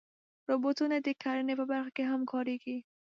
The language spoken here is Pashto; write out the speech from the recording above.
روبوټونه د کرنې په برخه کې هم کارېږي.